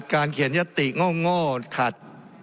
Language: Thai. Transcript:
การเขียนยัตติง้อถัด